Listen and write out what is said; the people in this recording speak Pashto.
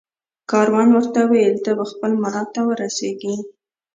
کاروان ورته وویل ته به خپل مراد ته ورسېږې